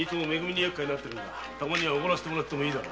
たまにはおごらしてもらってもいいだろ。